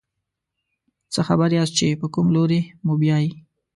څه خبر یاست چې په کوم لوري موبیايي.